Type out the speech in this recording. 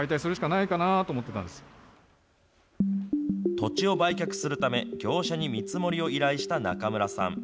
土地を売却するため、業者に見積もりを依頼した中村さん。